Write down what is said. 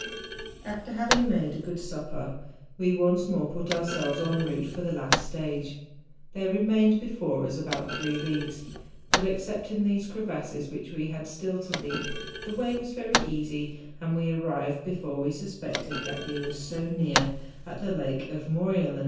After having made a good supper we once more put ourselves en route for the last stage. There re¬ mained before us about three leagues, but excepting these crevasses which we had still to leap, the way was easy, and we arrived before we suspected that THE JUNGFRAU. 83 we were so near, at the Lake of Morjelen.